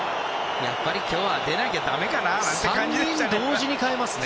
やっぱり今日は出なきゃだめかな？みたいなね。